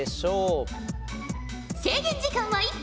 制限時間は１分。